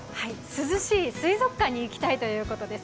涼しい、水族館に行きたいということです。